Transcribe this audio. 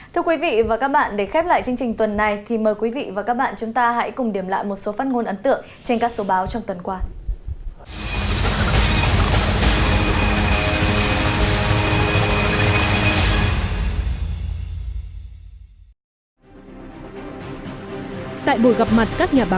thưa quý vị và các bạn để khép lại chương trình tuần này thì mời quý vị và các bạn chúng ta hãy cùng điểm lại một số phát ngôn ấn tượng trên các số báo trong tuần qua